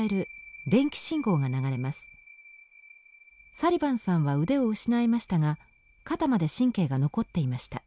サリバンさんは腕を失いましたが肩まで神経が残っていました。